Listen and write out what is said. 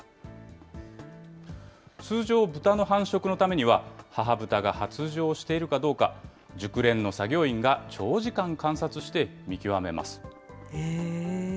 通常、豚の繁殖のためには、母豚が発情しているかどうか、熟練の作業員が長時間観察して見極めます。